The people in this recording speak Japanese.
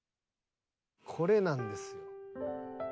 これなんですよ。